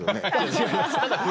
違います。